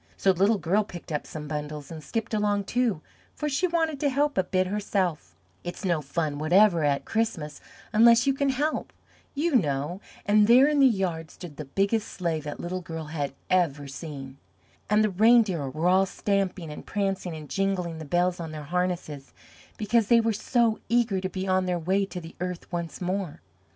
So Little Girl picked up some bundles and skipped along too, for she wanted to help a bit herself it's no fun whatever at Christmas unless you can help, you know and there in the yard stood the BIGGEST sleigh that Little Girl had ever seen, and the reindeer were all stamping and prancing and jingling the bells on their harnesses, because they were so eager to be on their way to the Earth once more.